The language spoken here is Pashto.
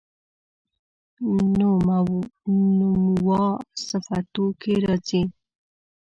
نومواوصفتوکي راځي